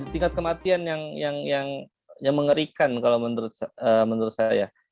tingkat kematian yang mengerikan kalau menurut saya